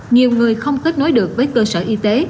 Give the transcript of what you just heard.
nhiều người không kết nối được với cơ sở y tế